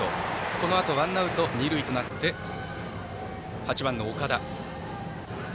このあとワンアウト、二塁となって８番、岡田。